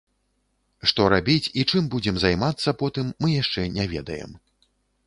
Што рабіць і чым будзем займацца потым, мы яшчэ не ведаем.